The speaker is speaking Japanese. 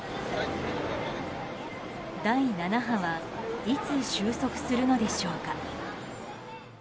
第７波はいつ収束するのでしょうか。